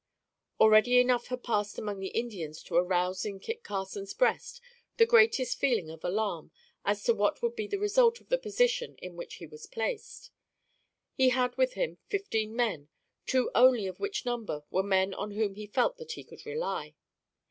Already enough had passed among the Indians to arouse in Kit Carson's breast the greatest feeling of alarm as to what would be the result of the position in which he was placed. He had with him fifteen men, two only of which number, were men on whom he felt that he could rely.